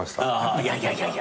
いやいやいや